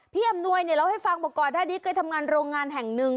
อำนวยเนี่ยเล่าให้ฟังบอกก่อนหน้านี้เคยทำงานโรงงานแห่งหนึ่ง